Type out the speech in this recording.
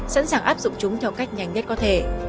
sẵn sàng áp dụng chúng theo cách nhanh nhất có thể